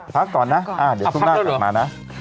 พักก่อนนะอ้าวเดี๋ยวทุกนางกลับมานะ